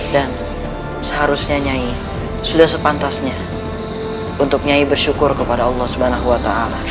dan seharusnya nyai sudah sepantasnya untuk nyai bersyukur kepada allah swt